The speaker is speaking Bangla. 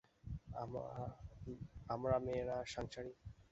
আমারা মেয়েরা সাংসারিক।